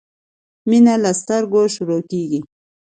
مينه له سترګو شروع کیږی